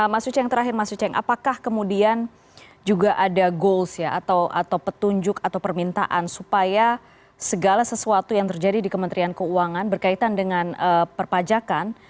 mas uceng terakhir mas uceng apakah kemudian juga ada goals ya atau petunjuk atau permintaan supaya segala sesuatu yang terjadi di kementerian keuangan berkaitan dengan perpajakan